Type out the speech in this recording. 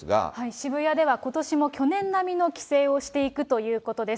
渋谷ではことしも去年並みの規制をしていくということです。